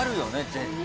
絶対。